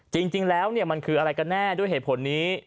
จริงแล้วมันคืออะไรกันแน่ด้วยเหตุผลนี้